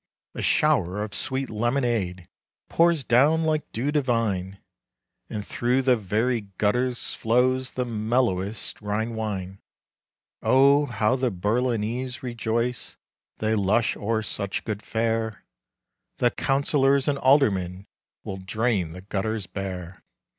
A shower of sweet lemonade Pours down like dew divine. And through the very gutters flows The mellowest Rhine wine. Oh, how the Berlinese rejoice! They lush o'er such good fare. The councillors and aldermen Will drain the gutters bare.